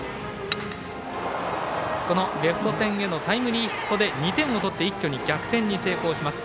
このレフト線へのタイムリーヒットで２点を取って一挙に逆転に成功します。